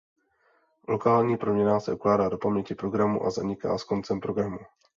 Lokální proměnná se ukládá do paměti programu a zaniká s koncem programu.